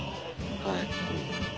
はい。